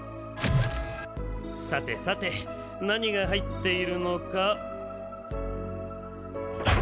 さてさてなにがはいっているのか。